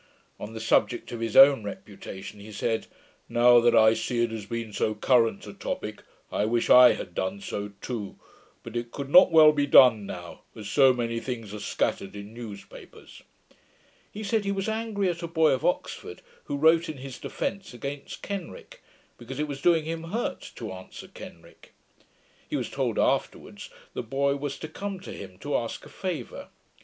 On the subject of his own reputation, he said, 'Now that I see it has been so current a topick, I wish I had done so too; but it could not well be done now, as so many things are scattered in newspapers.' He said he was angry at a boy of Oxford, who wrote in his defence against Kenrick; because it was doing him hurt to answer Kenrick. He was told afterwards, the boy was to come to him to ask a favour.